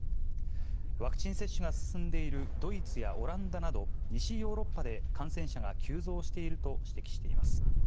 ワクチン接種が進んでいるドイツやオランダなど西ヨーロッパで感染者が急増していると指摘しています。